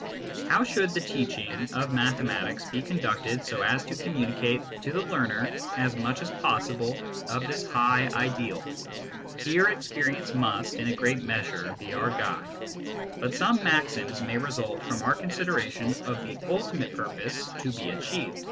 How should the teaching of mathematics be conducted so as to communicate to the learner as much as possible of this high ideal ? Here experience must, in a great measure, be our guide ; but some maxims may result from our consideration of the ultimate purpose to be achieved.